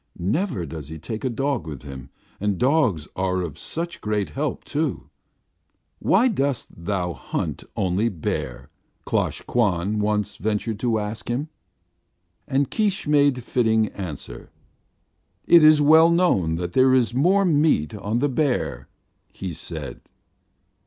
"Never does he take a dog with him, and dogs are of such great help, too." "Why dost thou hunt only bear?" Klosh Kwan once ventured to ask him. And Keesh made fitting answer. "It is well known that there is more meat on the bear," he said.